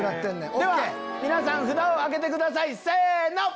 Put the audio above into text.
では皆さん札を挙げてくださいせの！